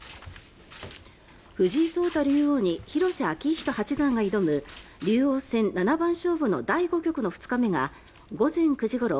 藤井聡太五冠に広瀬章人八段が挑む竜王戦七番勝負の第５局の２日目が午前９時ごろ